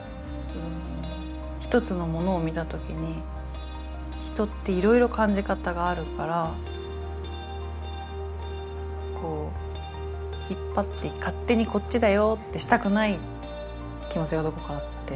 一つのものを見た時に人っていろいろ感じ方があるからこう引っ張って勝手にこっちだよってしたくない気持ちがどこかあって。